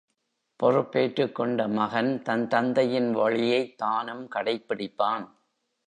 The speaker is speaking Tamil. பொறுப்பேற்றுக் கொண்ட மகன், தன் தந்தையின் வழியைத் தானும் கடைப் பிடிப்பான்.